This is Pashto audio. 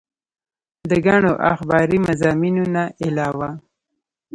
د ګڼو اخباري مضامينو نه علاوه